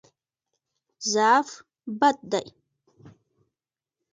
ضعف بد دی.